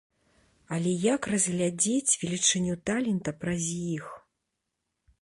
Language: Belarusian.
Але як разглядзець велічыню талента праз іх?